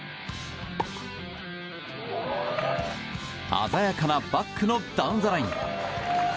鮮やかなバックのダウンザライン。